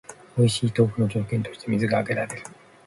おいしい豆腐の条件として水が挙げられる